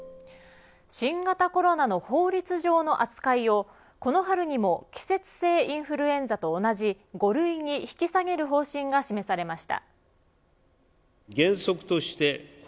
新型コロナの法律上の扱いをこの春にも季節性インフルエンザと同じ５類に引き下げる方針が示されました。